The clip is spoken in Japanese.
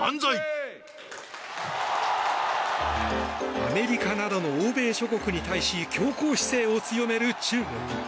アメリカなどの欧米諸国に対し強硬姿勢を強める中国。